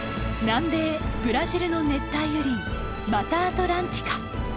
南米ブラジルの熱帯雨林マタアトランティカ。